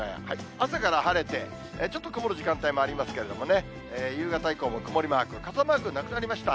朝から晴れて、ちょっと曇る時間帯もありますけどね、夕方以降も曇りマーク、傘マークなくなりました。